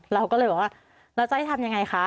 เราก็เลยบอกว่าแล้วจะให้ทำยังไงคะ